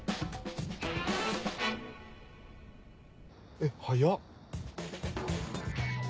えっ早っ！